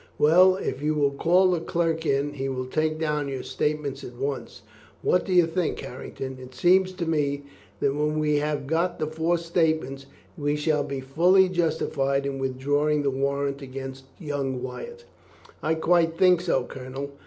Well, if you will call the clerk in, he will take down your statement at once. What do you think, Harrington? It seems to me that when we have got the four statements we shall be fully justified in withdrawing the warrant against young Wyatt." "I quite think so, Colonel.